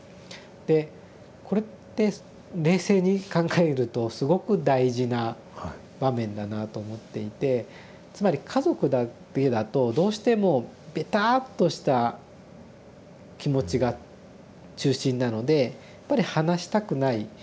でこれって冷静に考えるとすごく大事な場面だなと思っていてつまり家族だけだとどうしてもべたっとした気持ちが中心なのでやっぱり離したくない。